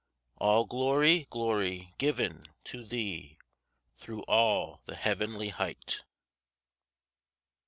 All Glory, glory, giv'n to Thee, Thro' all the heav'nly height.